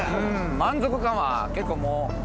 満足感は結構もう。